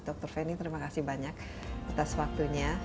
dr feni terima kasih banyak atas waktunya